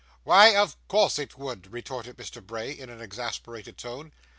'Why, of course it would,' retorted Mr. Bray, in an exasperated tone.